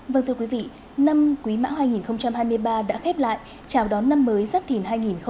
vâng thưa quý vị năm quý mão hai nghìn hai mươi ba đã khép lại chào đón năm mới giáp thìn hai nghìn hai mươi bốn